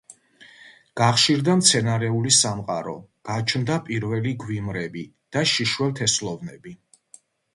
გახშირდა მცენარეული სამყარო, გაჩნდა პირველი გვიმრები და შიშველთესლოვნები.